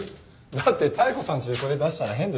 だって妙子さんちでこれ出したら変でしょ？